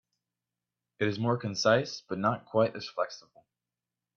It is more concise but not quite as flexible.